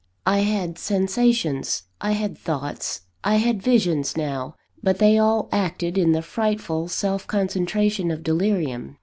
I had sensations, I had thoughts, I had visions, now but they all acted in the frightful self concentration of delirium.